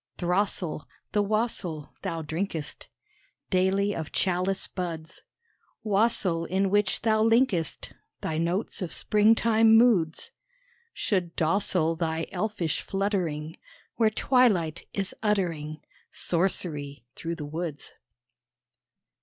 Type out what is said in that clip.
Throstle, the wassail Thou drinkest Daily of chalice buds Wassail in which thou linkest Thy notes of springtime moods Should docile thy elfish fluttering Where twilight is uttering Sorcery through the woods.